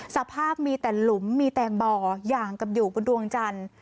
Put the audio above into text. สภาพมีแต่หลุมมีแตงบ่ออย่างกับอยู่บนดวงจันทร์